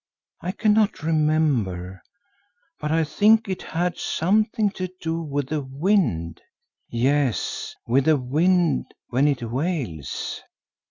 I cannot remember, but I think it had something to do with the wind, yes, with the wind when it wails."